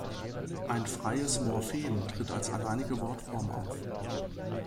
Ein "freies Morphem" tritt als alleinige Wortform auf.